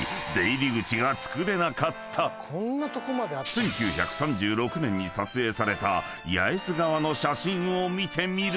［１９３６年に撮影された八重洲側の写真を見てみると］